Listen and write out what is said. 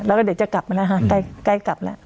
แล้วก็เด็กจะกลับมานะฮะใกล้กลับนะ